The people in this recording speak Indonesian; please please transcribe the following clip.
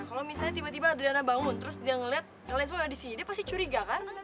kalau misalnya tiba tiba adriana bangun terus dia ngeliat kalian semua disini dia pasti curiga kan